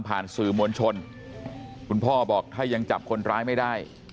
สื่อมวลชนคุณพ่อบอกถ้ายังจับคนร้ายไม่ได้